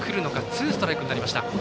ツーストライクになりました。